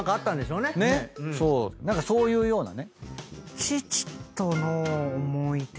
そういうようなね。